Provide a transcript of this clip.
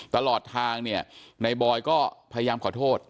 ตลอดทางเนี่ยในบอยก็พยายามขอโทษ